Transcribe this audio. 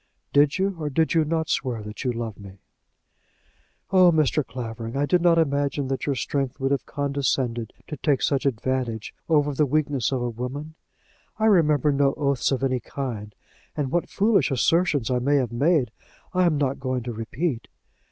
"Did you or did you not swear that you loved me?" "Oh, Mr. Clavering, I did not imagine that your strength would have condescended to take such advantage over the weakness of a woman. I remember no oaths of any kind, and what foolish assertions I may have made, I am not going to repeat.